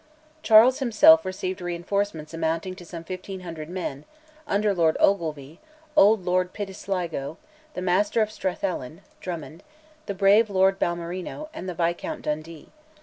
Charles himself received reinforcements amounting to some 1500 men, under Lord Ogilvy, old Lord Pitsligo, the Master of Strathallan (Drummond), the brave Lord Balmerino, and the Viscount Dundee.